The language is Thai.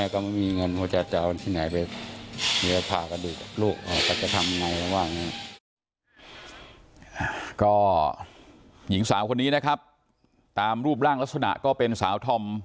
ก็หญิงสาวคนนี้นะครับตามรูปร่างลักษณะก็เป็นสาวธอม